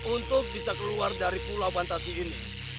untuk bisa keluar dari pulau bantasi ini